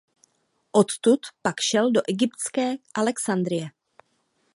Odtud pak šel do egyptské Alexandrie.